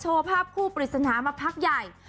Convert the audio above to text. ภาพคู่ปริศนามาพักใหญ่